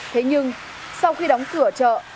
thế nhưng sau khi đóng cửa chợ